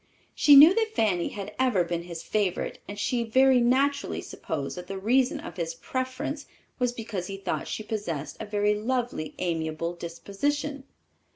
She knew that Fanny had ever been his favorite and she very naturally supposed that the reason of his preference was because he thought she possessed a very lovely, amiable disposition.